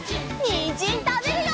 にんじんたべるよ！